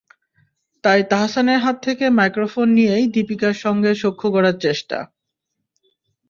তাই তাহসানের হাত থেকে মাইক্রোফোন নিয়েই দীপিকার সঙ্গে সখ্য গড়ার চেষ্টা।